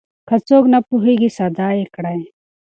که څوک نه پوهېږي ساده يې کړئ.